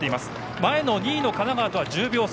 前の２位の神奈川とは１０秒差。